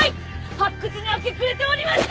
発掘に明け暮れておりました！